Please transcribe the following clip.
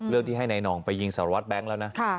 เรื่องที่ให้นายหน่องไปยิงสารวัสแบงค์แล้วนะค่ะ